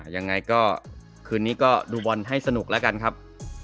ยังไงก็คืนนี้ก็ดูบอลให้สนุกแล้วกันครับ